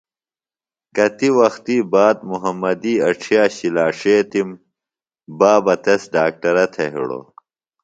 کتیۡ وخت باد محمودی اڇھیہ شِلا ݜِیتِم۔ بابہ تس ڈاکٹرہ تھےۡ ہِڑوۡ۔